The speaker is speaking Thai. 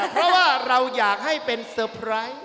เพราะว่าเราอยากให้เป็นเซอร์ไพรส์